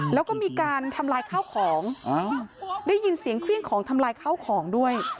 แล้วก็มีการทำลายข้าวของได้ยินเสียงเครื่องของทำลายข้าวของด้วย